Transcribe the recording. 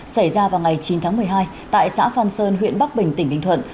xảy ra vào ngày chín tháng một mươi hai tại xã phan sơn huyện bắc bình tỉnh bình thuận